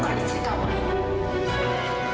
bukan istri kamu aini